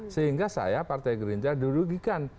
sehingga saya partai gerindra dirugikan